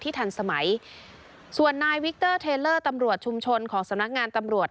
ทันสมัยส่วนนายวิกเตอร์เทลเลอร์ตำรวจชุมชนของสำนักงานตำรวจ